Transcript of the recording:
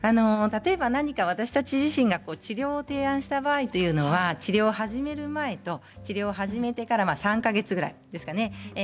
何か私たち自身が治療を提案した場合というのは治療を始める前と治療を始めてから３か月ぐらいですかね。